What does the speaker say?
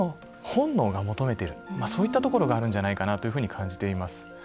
そういったところがあるんじゃないかなというふうに感じています。